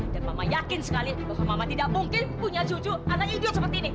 dan mama yakin sekali bahwa mama tidak mungkin punya cucu anak idiot seperti ini